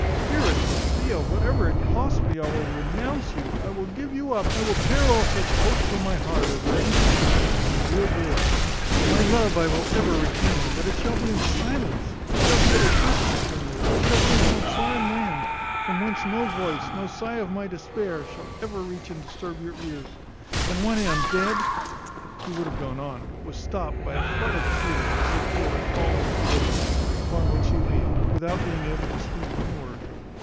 Dearest Sophia, whatever it costs me, I will renounce you; I will give you up; I will tear all such hopes from my heart as are inconsistent with your real good. My love I will ever retain, but it shall be in silence; it shall be at a distance from you; it shall be in some foreign land; from whence no voice, no sigh of my despair, shall ever reach and disturb your ears. And when I am dead" He would have gone on, but was stopt by a flood of tears which Sophia let fall in his bosom, upon which she leaned, without being able to speak one word.